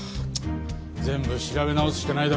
全部調べ直すしかないだろ。